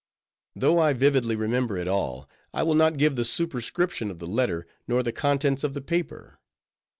Though I vividly remember it all, I will not give the superscription of the letter, nor the contents of the paper.